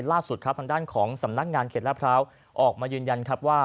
ล่าสุดครับทางด้านของสำนักงานเขตลาดพร้าวออกมายืนยันครับว่า